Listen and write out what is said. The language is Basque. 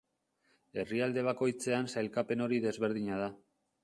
Herrialde bakoitzean sailkapen hori desberdina da.